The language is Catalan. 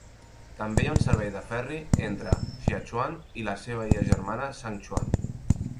També hi ha un servei de ferri entre Xiachuan i la seva illa germana, Shangchuan.